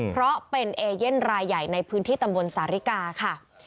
เพราะเป็นเอเย่นรายใหญ่ในพื้นที่ตำบลสาริกาค่ะ